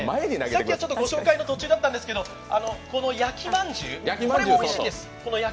さっきはご紹介の途中だったんですけど、この焼きまんじゅうこれがおいしいんです。